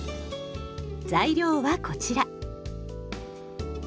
材料はこちら。